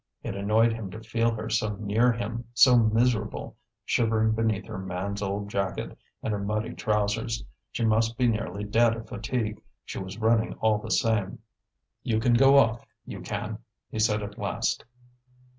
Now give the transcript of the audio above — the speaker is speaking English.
It annoyed him to feel her so near him, so miserable, shivering beneath her man's old jacket and her muddy trousers. She must be nearly dead of fatigue, she was running all the same. "You can go off, you can," he said at last.